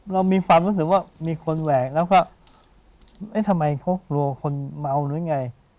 เรามีความรู้สึกว่ามีคนแหวกแล้วก็เอ๊ะทำไมเขากลัวคนเมาหรือไง